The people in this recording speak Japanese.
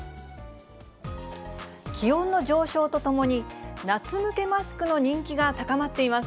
気温の上昇とともに、夏向けマスクの人気が高まっています。